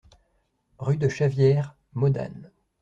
Rue de Chavières, Modane